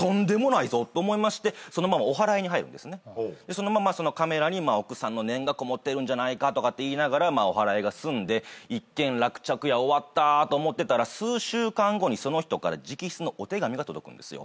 そのままそのカメラに奥さんの念がこもってるんじゃないかとかって言いながらおはらいが済んで「一件落着や終わった」と思ってたら数週間後にその人から直筆のお手紙が届くんですよ。